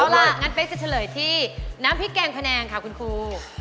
เอาล่ะงั้นเป๊กจะเฉลยที่น้ำพริกแกงพะแนงค่ะคุณครู